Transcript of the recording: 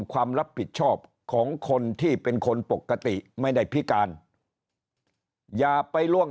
ความรับผิดชอบของคนที่เป็นคนปกติไม่ได้พิการอย่าไปล่วง